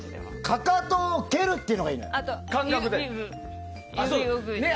かかとを蹴るっていうのがいいのね。